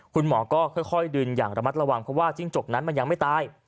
คุณหมอก็ค่อยดึงอย่างระมัดระวังเพราะว่าจิ้งจกนั้นมันยังไม่ตาย